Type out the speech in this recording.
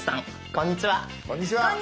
こんにちは。